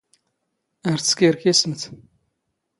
ⴰⵔ ⵜⵙⴽⵉⵔⴽⵉⵙⵎⵜ.